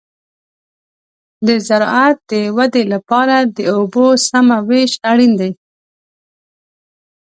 د زراعت د ودې لپاره د اوبو سمه وېش اړین دی.